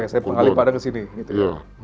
oke saya pengalian pada ke sini gitu ya